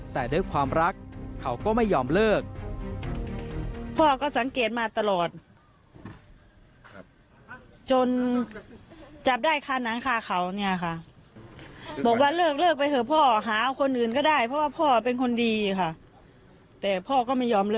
แต่ด้วยความรักเขาก็ไม่ยอมเลิก